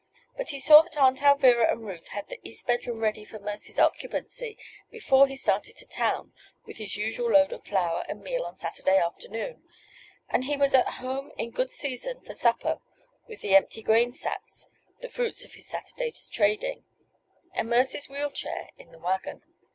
But he saw that Aunt Alvirah and Ruth had the east bedroom ready for Mercy's occupancy before he started to town with his usual load of flour and meal on Saturday afternoon; and he was at home in good season for supper with the empty grain sacks, the fruits of his Saturday's trading, and Mercy's wheel chair in the wagon.